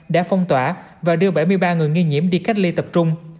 đã phong tỏa và đưa bảy mươi ba người nghi nhiễm đi cách ly tập trung